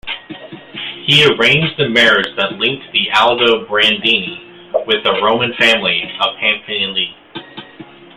He arranged the marriage that linked the Aldobrandini with the Roman family of Pamphili.